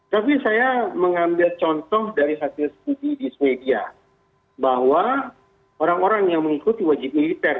tapi saya mengambil contoh dari satu studi di swedia bahwa orang orang yang mengikuti wajib militer